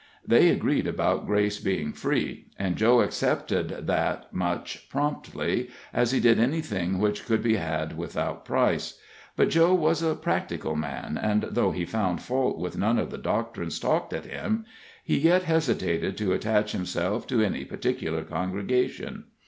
They agreed about grace being free, and Joe accepted that much promptly, as he did anything which could be had without price. But Joe was a practical man, and though he found fault with none of the doctrines talked at him, he yet hesitated to attach himself to any particular congregation.